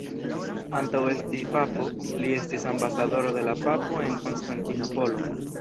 Antaŭ esti papo, li estis ambasadoro de la papo en Konstantinopolo.